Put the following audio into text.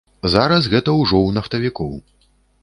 Зараз гэта ўжо ў нафтавікоў.